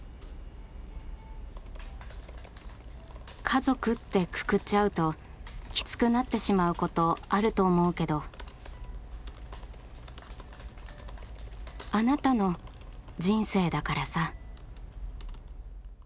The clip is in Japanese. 「家族ってくくっちゃうとキツくなってしまうことあると思うけどあなたの人生だからさ」。